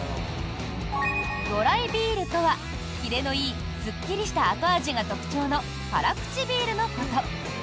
ドライビールとはキレのいいすっきりした後味が特徴の辛口ビールのこと。